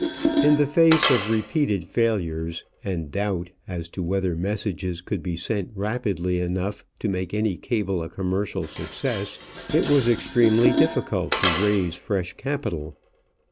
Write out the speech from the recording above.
In the face of repeated failures, and doubt as to whether messages could be sent rapidly enough to make any cable a commercial success, it was extremely difficult to raise fresh capital.